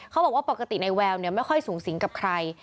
เขาบอกว่าปกตินายแววไม่ค่อยสูงสิงกับใคร